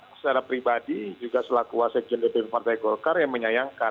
saya secara pribadi juga selaku wasek jenderal depan partai golkar yang menyayangkan